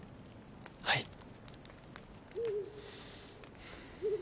はい。